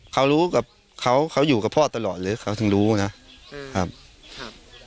เขารู้กับเขาเขาอยู่กับพ่อตลอดเลยเขาถึงรู้นะครับครับ